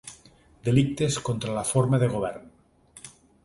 Delictes contra la forma de govern